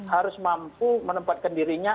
harus mampu menempatkan dirinya